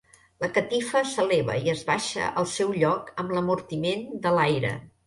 La catifa s'eleva i es baixa al seu lloc amb l'amortiment de l'aire.